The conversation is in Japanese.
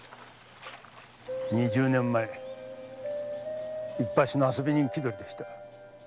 二十年前いっぱしの遊び人気取りでした。